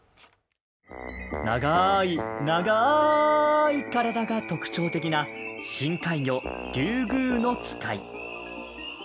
長い長ーい体が特徴的な深海魚リュウグウノツカイ。